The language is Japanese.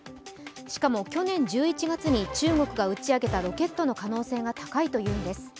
しかも、去年１１月に中国が打ち上げたロケットの可能性が高いというのです。